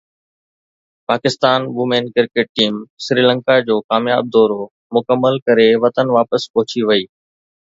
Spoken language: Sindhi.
Pakistan women cricket team Sri Lanka جو ڪامياب دورو مڪمل ڪري وطن واپس پهچي وئي